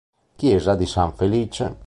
Chiesa di San Felice